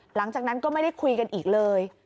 หลังจากนั้นก็ไม่ได้คุยกันอีกเลย